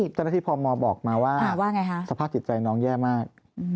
เจ้าหน้าที่พมบอกมาว่าสภาพจิตใจน้องแย่มาก